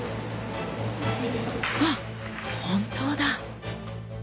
あっ本当だ！